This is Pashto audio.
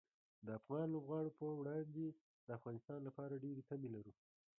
د افغان لوبغاړو پر وړاندې د افغانستان لپاره ډېرې تمې لرو.